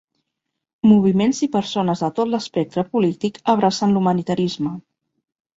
Moviments i persones de tot l'espectre polític abracen l'humanitarisme.